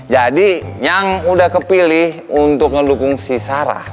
jadi yang udah kepilih untuk ngedukung si sarah